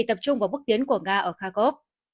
nga đã tập trung vào bước tiến của nga ở kharkov